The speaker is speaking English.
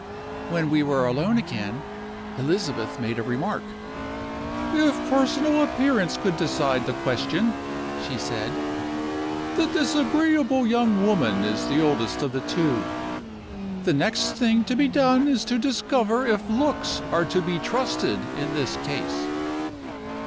"When we were alone again, Elizabeth made a remark: 'If personal appearance could decide the question,' she said, 'the disagreeable young woman is the oldest of the two. The next thing to be done is to discover if looks are to be trusted in this case.